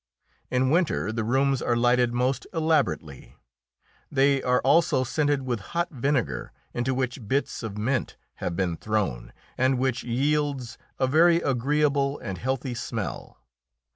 In winter the rooms are lighted most elaborately. They are also scented with hot vinegar into which bits of mint have been thrown and which yields a very agreeable and healthy smell.